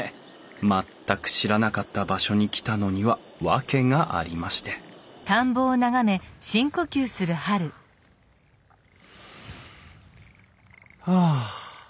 全く知らなかった場所に来たのには訳がありましてはあ。